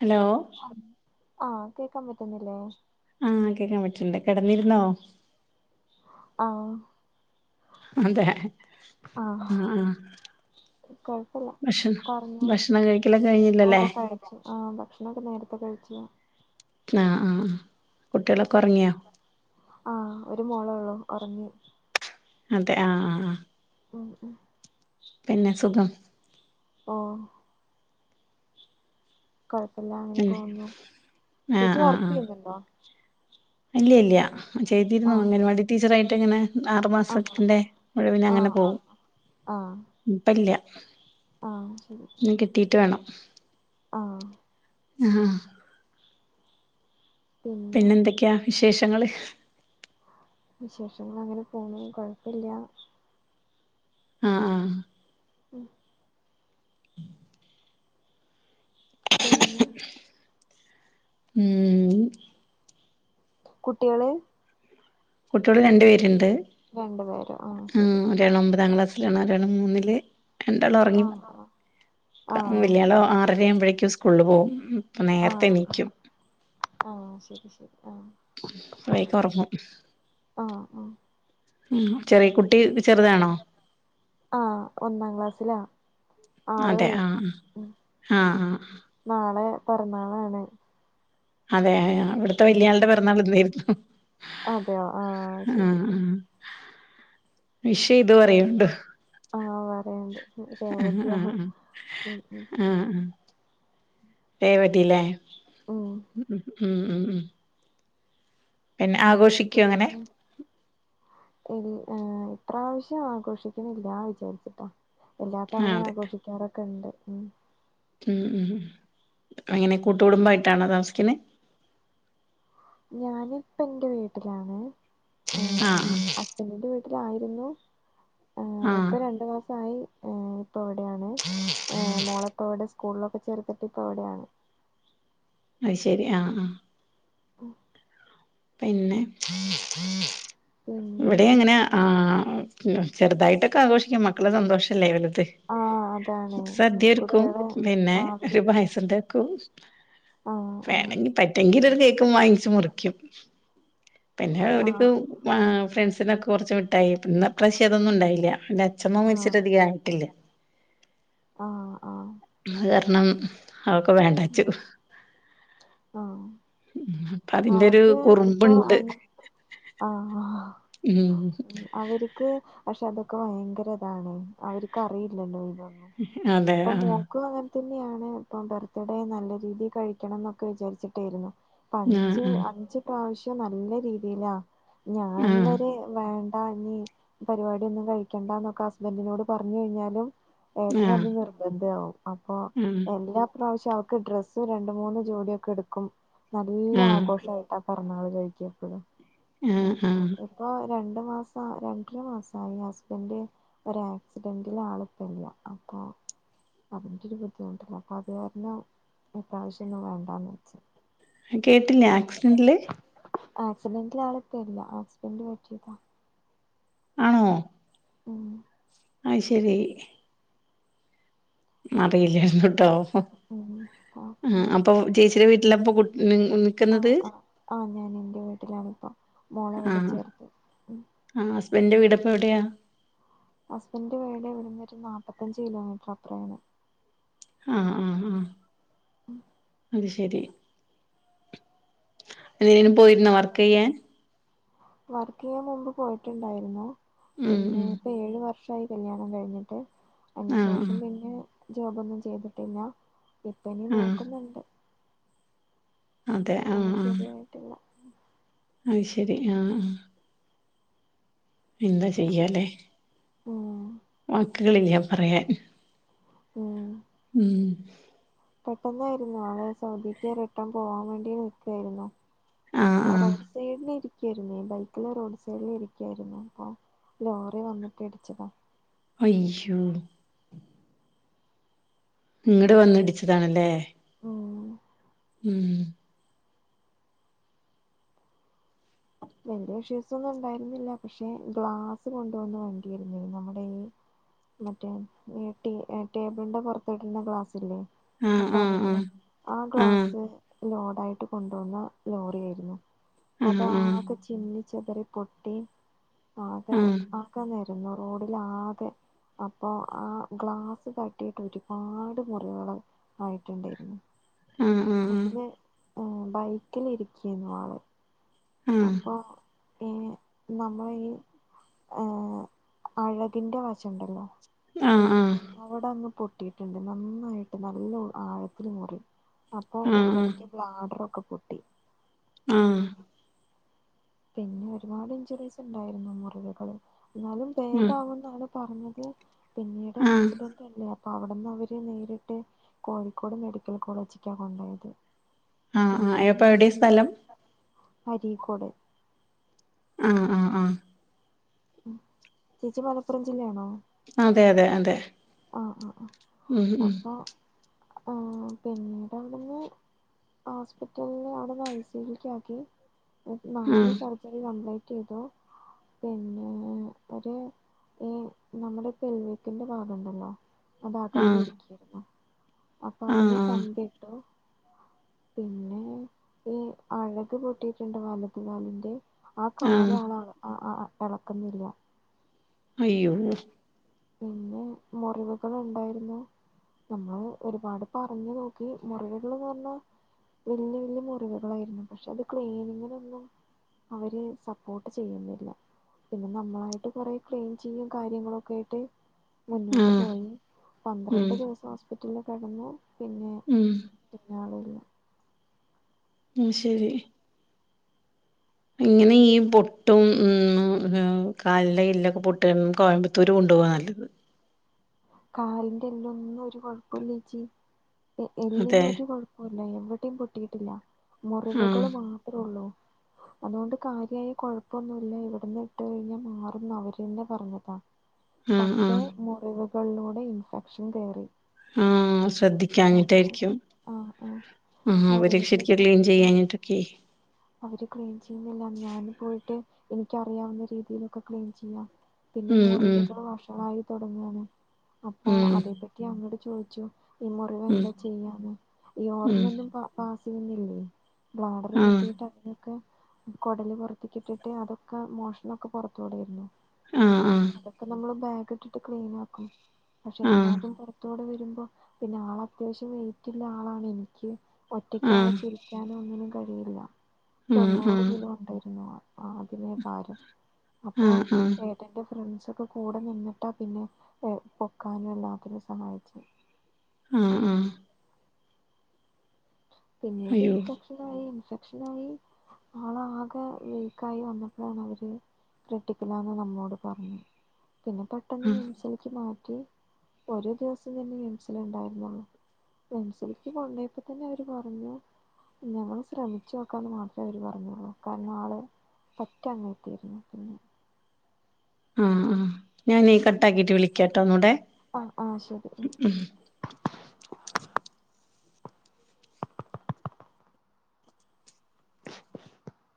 Hello ആഹ് കേക്കാൻ പറ്റുന്നില്ലേ ആഹ് കേക്കാൻ പറ്റ്ണ്ട് കെടന്നിരുന്നോ ആഹ് അതെ ആഹ് ആ ആ കൊഴപ്പില്ല ഭക്ഷണം പറഞ്ഞോ ഭക്ഷണ കഴിക്കലൊന്നു ഓ കഴിഞ്ഞില്ലല്ലേ കഴിച്ചു ആഹ് ഭക്ഷണൊക്കെ നേരത്തെ കഴിച്ചു ആഹ് ആഹ് കുട്ട്യോളൊക്കെ ഒറങ്ങ്യോ ആ ഒരു മോളേള്ളു ഒറങ്ങി അതെ ആ ആ ആ ഉം ഉം പിന്നെ സുഖം ഓ കുഴപ്പമില്ല അങ്ങനെ പിന്നെ പോകുന്നു ചേച്ചി വർക്ക് ചെയ്യുന്നുണ്ടോ? അല്ല ഇല്ല ചെയ്തിരുന്നു ആഹ് അങ്കനെവാടി ടീച്ചറായിട്ട് ഇങ്ങനെ ആറു ആഹ് മാസത്തിന്റെ ആഹ് ഒഴിവിന് അങ്ങനെ ആഹ് ആഹ് പോവും ഇപ്പല്ല. ആ ശരി എന്ന കിട്ടീയിട്ട് വേണം ആ ആഹ് പിന്നെ പിന്നെന്തക്ക്യാ വിശേഷങ്ങള് വിശേഷങ്ങളങ്ങനെ പോന്നു കൊഴപ്പ്ല്ല്യാ ആഹ് ആഹ് ഉം പിന്നെ ഉം ഉംമ്മ് കുട്ടികള് കുട്ട്യൊള് രണ്ട്പേര്ണ്ട് രണ്ട്പേരൊ ആഹ് ശെരി ഉം ഒമ്പതാംക്ലാസ് പിന്നൊള്ളരെണം മൂന്നില് രണ്ടാള്വൊറങ്ങി ആഹ് ആഹ് ക ആഹ് വല്യാള് ശരി ആറരമ്പഴെക്കും സ്കൂള്ല് പോകും ആഹ് ആഹ് ആഹ് ശെരി ശെരി ആഹ് വേഗ്വറങ്ങും ആഹ് ആഹ് ഉം ചെറിയ കുട്ടി ത്ചെറുതാണോ ആഹ് ഒന്നാം ക്ലാസ്സ്ലാ അതെ ആഹ് ആഹ് ആഹ് നാളെ പെറന്നാളാണ് അതെ യാ ഇവ്ട്ത്തെ വല്യാള്ടെ ആഹ് പെറന്നാളിന്നായ്ര്ന്നു അതെയോ ശരി ആഹ് ആഹ് വിഷേയ്തു പറയ്ൺണ്ട് ആഹ് ആഹ് പറയൺണ്ട് ആഹ് രേവതിയാ ആഹ് ഉം ഉം ആഹ് ആഹ് രേവതില്ലേ ഉം ഉംമ് ഉം ഉം ഉം പിന്നെ ആഗോഷ് ക്ക്യുന്നുന്നെ ഇല്ല് ഏഹ് ഇപ്രാവശ്യം ആഘോഷിക്കുന്നില്ലാ വിചാരിച്ചിട്ടാ ആഹ് എല്ലാത്തവണെ അതെ ആഘോഷിക്കാറൊക്കെണ്ട് ഉം ഉം ഉം എങ്ങനെ കൂട്ടുകുടുംമ്പായ്ട്ടാണോ താമസിക്ക്ന്നെ ഞാനിപ്പന്റെ വീട്ടിലാണ് ആഹ് ആഹ് സ്ബ്ന്റെ വീട്ടിലായ്ര്ന്നു ആഹ് ഏഹ് ആഹ് ഇപ്പൊ രണ്ടുമാസായ് ഉം ഇപ്പൊവ്ടെയാണ് ഏഹ് മോളെപ്പോ ഇവ്ടെ സ്കൂളിലൊക്കെ ചേർത്തിട്ട്പ്പവ്ടെയാണ് അയ്ശെരി ആഹ് ആഹ് ഉം പിന്നെ [inaudible] പിന്നെ ഇവിടെങ്ങനെ ആഹ് മ്മ് ചെറുതായ്ട്ടക്കെ ആഘോഷ്ക്കും മക്കളെ സന്തോഷല്ലേ വല്ത് ആ അതാണ് സദ്യൊര്ക്കും കുട്ടികളെ പിന്നെ ആ ഒര് അവർക്ക് പായസണ്ടാക്കും ആ ആ വേണെങ്കി പറ്റ്വങ്കിലൊര് കേക്കും വാങ്ങ്ച്ച് മുറിക്കും പിന്നെ ആ ഓല്ക്ക് മാ ഫ്രണ്ട്സിനക്കെ കൊറച്ച് മിട്ടായ് ന്ന്പ്രാവശ്യതൊന്നുണ്ടായ്ല്ല ച്ച്മ്മ ആ മരിച്ച്ട്ടധികായ്ട്ടില്ലേ ആഹ് ആഹ് അത് കാരണം അതൊക്കെ വേണ്ടാച്ചു ആ ആ മ്മ്ഹ് പ്പതിന്റൊര് കുറുമ്പ്ണ്ട് ആഹ് ആഹ് ഉം അവര്ക് ക്ക് പഷെതക്കെ വയ്ങ്കര്താണെ അവര്ക്കറിയ്ല്ലല്ലോ ഇതൊന്നും അതെ പ്പം ആഹ് മോക്ക്വാങ്ങനെ ത്ത്ന്നെയാണ്പ്പം ബർത്ത്ഡേ നല്ല രീതി കഴിക്കണന്നൊക്കെ വിചാര്ച്ചിട്ടാര്ന്നു അഞ്ച് ആഹ് അഞ്ച് പ്രാവശ്യം നല്ല രീതിയിലാ. ഞാൻ ആഹ് വെരെ വാ അങ്ങി പരിപാടിയൊന്നും കഴിക്കണ്ടേന്നൊക്കെ ഹസ്ബൻഡിനോട് പറഞ്ഞു കഴിഞ്ഞാലും. ഏട്ടനത് ആഹ് നിർബന്ധവാവും. അപ്പൊ ആഹ് എല്ലാ പ്രാവിശ്യം അവു ഇക്ക് ഡ്രസ്സ് രണ്ടു മൂന്ന് ജോടിയൊക്കെ എടുക്കും. നല്ല ആഹ് ആഘോഷവായിട്ടാ. പക്ക് [unintelligible] കഴിക്കെപ്പളാ ആ ആ ഇപ്പൊ രണ്ടു മാസം രണ്ടര മാസമായി ഹസ്ബെൻഡ്. ഒര് ആക്സിഡെന്റില് ആളിപ്പില്യാ. അപ്പൊ അതിന്റൊര് ഒരു ബുദ്ധിമുട്ട്. അപ്പൊ അതൊണ്ടാ ഈ പ്രാവശ്യമത് വേണ്ടാന്ന് വെച്ചേ. കേട്ടില്ല. ആക്സിഡെന്റില് ആക്സിഡെന്റിൽ ആളിപ്പില്ല. ആക്സിഡെന്റ് പറ്റിയെപ്പോ ആണോ. ഉം അയ് ശെരി അറിയില്ലാരുന്നോട്ടോ. ഉം അപ്പൊ മം അപ്പൊ ചേച്ചിടെ വീട്ടിലപ്പം കു ഇനി [unintelligible] ആഹ് ആഹ് ഞാൻ ഇന്റെ വീട്ടിലാണിപ്പം. മോളെ ഇവിടെ ആഹ് ചേർത്തി. ആ ഹസ്ബെന്റെ വീടെപ്പ എവിടെയാ ഹസ്ബൻഡിന്റെ വീട് ഇവെടെന്നൊരു നാപ്പത്തഞ്ച് കിലോമീറ്റർ അപ്പേറണ്. ആ ആ ആ മം ഇത് ശെരി എവടേലും പോയിരുന്നോ വർക്ക് ചെയ്യാൻ വർക്ക് ചെയ്യാൻ മുമ്പ് പോയിട്ടുണ്ടാരുന്നു. ഉം പിന്നെ ഉം ഇപ്പ ഏഴു വർഷ യായി കല്യാണം കഴിഞ്ഞിട്ട്. അതിന് ആഹ് ശേഷം ആഹ് പിന്നെ ജോബൊന്നും ചെയ്തിട്ടില്ല. ഇപ്പനി ആഹ് നോക്കുന്നണ്ട്. അതെ ഒന്നും ശെരിയായിട്ടില്ല. അഹ് ശെരി ആ ആ എന്താ ചെയ്യാലേ. ഓ വാക്കുകളില്ലാ പറയാൻ. ഉം മം പെട്ടെന്നായിരുന്നോ. ആള് സൗദിക്ക് റിട്ടേൺ പോവാൻ വേണ്ടി നിക്കുവായിരുന്നു. ആഹ് [unintelligible] ആഹ് റോഡ് സൈഡിയിരി ക്കാരുന്നു. ബൈക്കില് റോഡ് സൈഡിൽ ഇരിക്കാരുന്നു. ആ ലോറി വന്നിട്ട് ഇടിച്ചതാ. അയ്യോ ഇങ്ങട് വന്ന് ഇടിച്ചതാണല്ലേ. ഓ മം വേറെ വിഷ്വൽസൊന്നും ഉണ്ടായിരുന്നില്ല. പക്ഷെ ഗ്ലാസ് കൊണ്ടുവന്ന് വണ്ടിയാരുന്ന് നമ്മുടെ മറ്റേ ടേ ടേബിളിന്റെ പൊറത്തിടുന്ന ഗ്ലാസ്സില്ലേ. ആ ആഹ് ആഹ് കനഉള്ളെ ആഹ് ആ ഗ്ലാസ്സ് ആഹ് ലോഡായിട്ട് കൊണ്ടുവന്ന ലോറിയയിരുന്നു. അത് ആ ആഹ് ആഹ് ചിന്നി ചെതറി പൊട്ടി ആകെ ആഹ് ആക്ക നെ ന്നു. റോഡിലാകെ അപ്പോ ആഹ് ഗ്ലാസ് തട്ടിട്ട് ഒരുപാട് മുറികള് ആയിട്ടുണ്ടായിരുന്നു. ആഹ് അതില് ആഹ് ആ ബൈക്കിലിരിക്കെയെന്നു ആള്. ആഹ് പിന്നെ നമ്മളെ ഈ ആ അഴകിൻ്റെ വശണ്ടല്ലോ ആഹ് ആഹ് അവ്ടന്ന് പൊട്ടീട്ട്ണ്ട് നന്നായ്ട്ട് നല്ലഉ ആഴത്തില് മുറി അപ്പൊ ആഹ് ഉള്ളില്ക്ക് ബ്ലാഡറൊക്കെ പൊട്ടി ആഹ് പിന്നെ ഒരുപാട് ഇഞ്ചുറീസ്ണ്ടായ്ര്ന്നു മുറിവുകള് എന്നാലും ആഹ് ഭേദാവ് ന്നാണ് പറഞ്ഞത് പിന്നീട് ആഹ് ആഹ് ആഹ് ആക്സിഡന്റല്ലേ അപ് പ്പവ്ട്ന്നവര് നേരിട്ട് കോഴിക്കോട് മെഡിക്കൽ കോളേജ്ക്കാ കൊണ്ടായത് ആഹ് ആഹ് എപ്പൊവ്ട്യ സ്ഥലം അരീക്കോട് ആഹ് ആഹ് ആഹ് ഉം ചേച്ചി മലപ്പുറം ജില്ലാണോ അതെ അതെ അതെ ആഹ് ആഹ് ആഹ് ഉം ഉം അപ്പൊ ആഹ് പിന്നീടവ്ട്ന്ന് ഹോസ്പിറ്റൽന്ന് അവ്ട്ന്ന് ഐസ്യുയ്ക്കാക്കി നാല് ആഹ് സർജറി കംപ്ലീറ്റെയ്തു പിന്നെ ഒരു ഈ നമ്മടെ പെൽവിക്കിന്റെ ഭാ ഗണ്ടല്ലോ അതകന്ന് ആഹ് ഇരിക്കാര്ന്നു അപ്പൊ ആഹ് അതിന് ആഹ് കമ്പിട്ടു പിന്നെ ഈ അഴക് പൊട്ടിട്ട്ണ്ട് വലത് കാലിന്റെ ആഹ് കാല് ആള് ആഹ് അഹ് അഹ് എളക്ക്ന്നില്ല അയ്യോ പിന്നെ മുറിവുകള്ണ്ടായ്ര്ന്നു നമ്മള് ഒരുപാട് പറഞ്ഞ് നോക്കി മുറിവുകള്ന്ന് പറഞ്ഞാ വെല്യ വെല്യ മുറിവ്കളായ്രുന്നു പക്ഷെ അത് ക്ലീനിങ്ങിലൊന്നും അവര് സപ്പോർട്ട് ചെയ്യുന്നില്ല പിന്നെ നമ്മളായ്ട്ട് കൊറേ ക്ലീൻ ചെയ്യും കാര്യങ്ങളൊക്കെ ട്ട് മുന്നോട്ട് ആഹ് പോയി ഉം പന്ത്രണ്ട് ദിവസം ഹോസ്പിറ്റല് കെടന്നു പിന്നെ ഉം പിന്നാളുല്ലാ ഉം ശെരി ഇങ്ങനെ ഈ പൊട്ടും ഉം മ്മ്ഹ് കാലിലെല്ലൊക്കെ പൊട്ട്വാണെ കോയമ്പത്തൂര് കൊണ്ടോവാ നല്ലത് കാലിന്റെല്ലൊന്നും ഒര് കൊഴപ്പ്ല്ലേച്ചി എഹ് എല്ലിന് അതെ ഒര് കൊഴപ് പ്പുല്ല എവിടേം പൊട്ടീട്ട്ല്ല ആഹ് മുറിവ്കള് മാത്രേള്ളൂ അതുകൊണ്ട് കാര്യായ കൊഴപ്പൊന്നുല്ല ഇവിട്ന്ന് ഇട്ട് കഴിഞ്ഞാ മാറുന്ന് അവര്ന്നെ പറഞ്ഞതാ ആഹ് പക്ഷേ ആഹ് മുറിവ്കള്ലൂടെ ഇൻഫെക്ഷൻ കേറി ആഹ് ശ്രദ്ധിക്കാഞ്ഞ്ട്ടാര്ക്കും ആഹ് ആഹ് ഉം അവര് മുറിവുകൾ ശെര്ക്ക് ക്ലീൻ ശ്രദ്ധിക്കണം ചെയ്യാഞ്ഞിട്ട് കേ അവര് ക്ലീൻ ചെയ്യുന്ന്ല്ല ഞാൻന്ന് പോയിട്ട് എനിക്കറിയാവുന്ന രീതിയിലൊക്കെ ക്ലീൻ ചെയ്യാ പിന്നെ ഉം ഉം മുറിവ്കള് വഷളായ് തൊടങ്ങാണ് അപ്പൊ ഉം അതേ പറ്റി അങ്ങട് ചോയ്ച്ചു ഈ ഉം മുറിവെന്താ ചെയ്യാന്ന് ഉം യോർനൊന്നും പ പാസെയ്യ്‌ന്നില്ലേ ബ്ലാഡറ് പൊട്ട് ആഹ് ത്ക്കെ കൊടല് പൊറത്ത്ക്ക്ട്ടിട്ട് അതൊക്കെ മോഷ്നൊക്കെ പൊറത്തൂടെര്ന്നു ആഹ് അതൊക്കെ നമ്മള് ബാഗ്ട്ട്ട്ട് ക്ലീനാക്കും ആഹ് പഷെല്ലാതും പൊറത് ത്തൂടെ വരുമ്പോ പിന്നെ ആള് അത്യാവശ്യം വെയിറ്റ്ല്ലാളാണെ എനിക്ക് ഒറ്റക്കാളെ ആഹ് ചെരി ക്കാനോ ഒന്നിനും കഴിയ്ല്ല ആഹ് ആഹ് ആഹ് തൊണ്ണൂറ് കിലോ ഒണ്ടായ്രുന്നു ആഹ് ആദ്യമെ ഭാരം ആഹ് ആഹ് അപ്പോഎ ത്ത്ന്റെ ഫ്രണ്ട്സൊക്കെ കൂടെ നിന്നിട്ടാ പിന്നെ എഹ് പൊക്കാനും എല്ലാത്ത്നും സഹായ്ച്ചെ ആഹ് ആഹ് പിന്നീട് അയ്യോ ഇൻഫെക്ഷനായ് ഇൻഫെക്ഷനായ് ആളാകെ വീക്കായ് വന്നപ്പോഴാണവര് ക്രിട്ടിക്കലാന്ന് നമ്മോട് പറഞ്ഞെ പിന്നെ പെട്ടെന്ന് ആഹ് മിംസിലേക്ക് മാറ്റി പ്പൊരെ ദിവസം തന്നെ മിംസില്ണ്ടാര്ന്നാ മിംസിലേക്ക് കൊണ്ടോയപ്പോത് ത്തന്നെ അവര് പറഞ്ഞു ഞങ്ങള് ശ്രമിച്ച്നോക്കാന്ന് മാത്രേ അവര് പറഞ്ഞൊള്ളൂ കാരണാള് പറ്റ അങ്ങെത്തിയിരുന്നു പിന്നെ ആഹ് ആഹ് ഞാനെ കട്ടാക്കിട്ട് വിളിക്കാട്ടോ ഒന്നൂടെ ആ ആ ശരി [unintelligible]